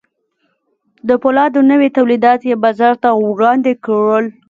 د پولادو نوي تولیدات یې بازار ته وړاندې کړل